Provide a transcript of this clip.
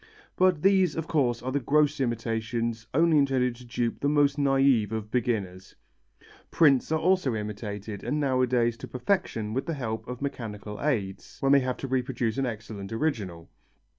But these of course are the gross imitations only intended to dupe the most naïve of beginners. Prints are also imitated, and nowadays to perfection with the help of mechanical aids, when they have to reproduce an excellent original.